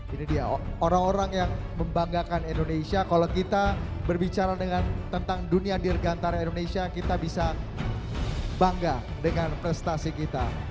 ini dia orang orang yang membanggakan indonesia kalau kita berbicara dengan tentang dunia dirgantara indonesia kita bisa bangga dengan prestasi kita